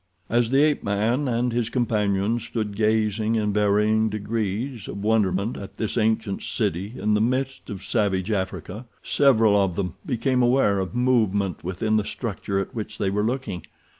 As the ape man and his companions stood gazing in varying degrees of wonderment at this ancient city in the midst of savage Africa, several of them became aware of movement within the structure at which they were looking.